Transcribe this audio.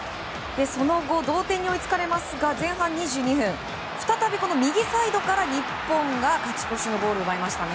その後、同点に追いつかれますが前半２２分再び右サイドから日本が勝ち越しのゴールを奪いましたね。